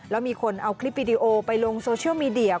แล้วมีคนเอาคลิปวิดีโอไปลงโซเชียลมีเดีย